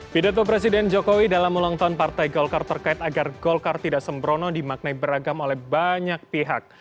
pidato presiden jokowi dalam ulang tahun partai golkar terkait agar golkar tidak sembrono dimaknai beragam oleh banyak pihak